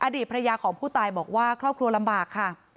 อดีตภรรยาของผู้ตายบอกว่าครอบครัวลำบากค่ะ